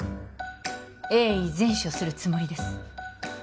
鋭意善処するつもりです